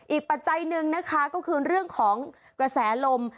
ปัจจัยหนึ่งนะคะก็คือเรื่องของกระแสลม